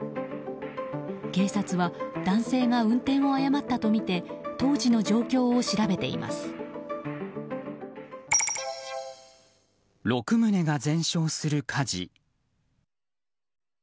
警察は男性が運転を誤ったとみて当時の状況を調べています。